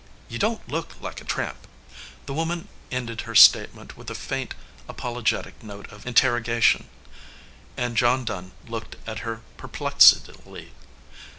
You don t look like a tramp." The woman ended her statement with a faint, apologetic note of interrogation, and John Dunn looked at her perplexedly.